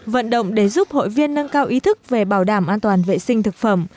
vận động để giúp hội viên nâng cao ý thức về bảo đảm an toàn vệ sinh thực phẩm